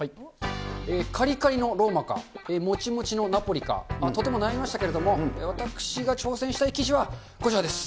かりかりのローマか、もちもちのナポリか、とても悩みましたけれども、私が挑戦したい生地はこちらです。